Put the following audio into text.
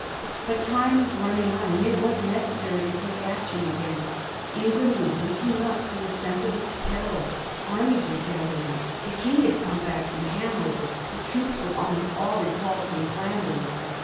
But time was running on, and it was necessary to take action again. England was waking up to a sense of its peril. Armies were gathering. The King bad come back from Hanover, the troops were almost all recalled from Flanders.